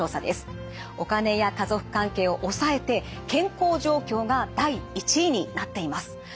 お金や家族関係を抑えて健康状況が第１位になっています。